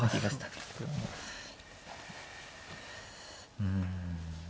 うん。